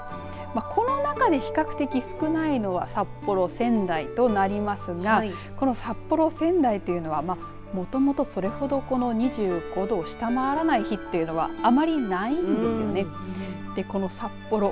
この中で比較的少ないのは札幌、仙台となりますがこの札幌、仙台というのはもともとそれほどこの２５度を下回らない日というのはあまりないんですよね。